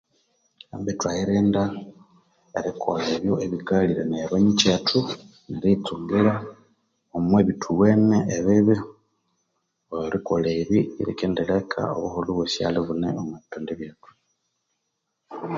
Ambi ithwayirinda erikolha ebyo ebikaghaliraya banyikyethu eriyitsungira omwa bithiwene ebibi erikolha ebi likendileka obuholho ibwasighalha ibune omwa bipindi byethu.